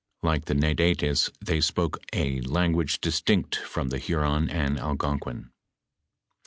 Like the NadUeSia they apoke a language diatinct from the Huron and Algonquin.